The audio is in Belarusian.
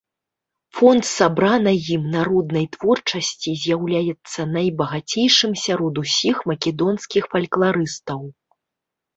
Фонд сабранай ім народнай творчасці з'яўляецца найбагацейшым сярод усіх македонскіх фалькларыстаў.